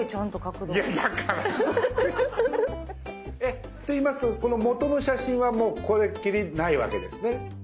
⁉って言いますとこの元の写真はもうこれっきりないわけですね。